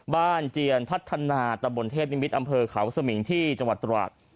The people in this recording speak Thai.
เจียนพัฒนาตะบนเทพนิมิตรอำเภอเขาสมิงที่จังหวัดตราด